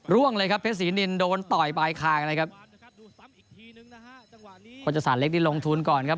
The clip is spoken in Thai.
ร่วงเลยครับเพชรศรีนินโดนต่อยบายคางเลยครับโฆษศาสตร์เล็กนี่ลงทุนก่อนครับ